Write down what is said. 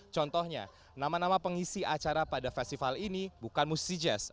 contohnya nama nama pengisi acara pada festival ini bukan musi jazz